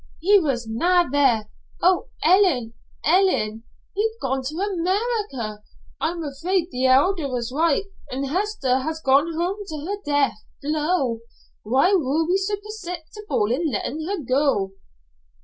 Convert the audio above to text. "He was na' there. Oh, Ellen, Ellen! He'd gone to America! I'm afraid the Elder is right an' Hester has gone home to get her death blow. Why were we so precipitate in lettin' her go?"